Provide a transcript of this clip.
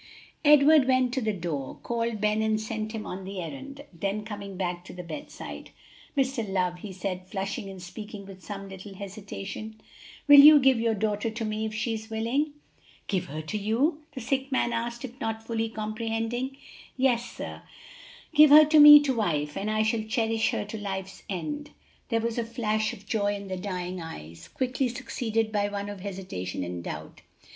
Edward went to the door, called Ben and sent him on the errand, then coming back to the bedside, "Mr. Love," he said, flushing and speaking with some little hesitation, "will you give your daughter to me if she is willing?" "Give her to you?" the sick man asked as if not fully comprehending. "Yes, sir; give her to me to wife, and I will cherish her to life's end." There was a flash of joy in the dying eyes, quickly succeeded by one of hesitation and doubt.